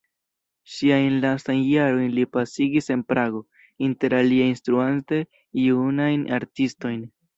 Siajn lastajn jarojn li pasigis en Prago, interalie instruante junajn artistojn.